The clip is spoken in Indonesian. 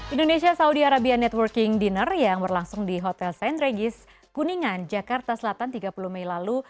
indonesia saudi arabian networking dinner yang berlangsung di hotel st regis kuningan jakarta selatan tiga puluh mei lalu